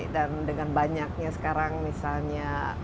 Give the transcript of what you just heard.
dan dengan banyaknya sekarang misalnya